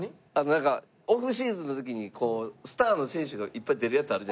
なんかオフシーズンの時にスターの選手がいっぱい出るやつあるじゃないですか。